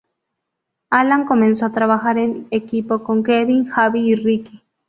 Alan comenzó a trabajar en equipo con Kevin, Javi y Ricky.